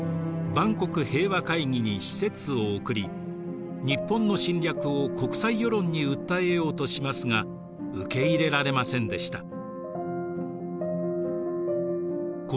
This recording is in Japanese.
万国平和会議に使節を送り日本の侵略を国際世論に訴えようとしますが受け入れられませんでした。